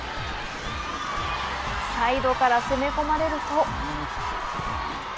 サイドから攻め込まれると。